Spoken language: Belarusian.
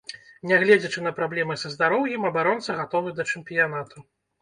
Нягледзячы на праблемы са здароўем абаронца гатовы да чэмпіянату.